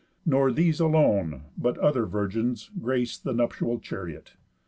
Nor these alone, but other virgins, grac'd The nuptial chariot.